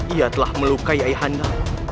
ia telah melukai ayahanda